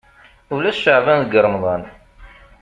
Ulac ceεban deg remḍan.